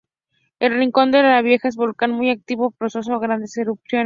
El Rincón de la Vieja es un volcán muy activo, propenso a grandes erupciones.